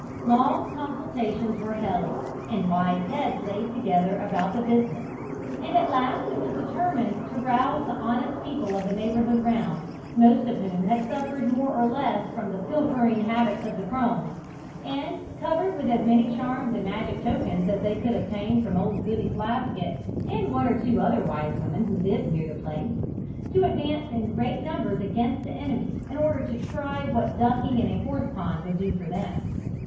Long consultations were held, and wise heads laid together about the business, and at last it was determined to rouse the honest people of the neighbourhood round, most of whom had suffered more or less from the pilfering habits of the crones, and, covered with as many charms and magic tokens as they could obtain from old Goody Flaskett and one or two other wise women who lived near the place, to advance in great numbers against the enemy, in order to try what ducking in a horsepond would do for them.